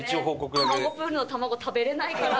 プールのたまご食べられないから。